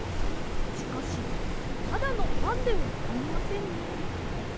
しかしただのパンではありませんね。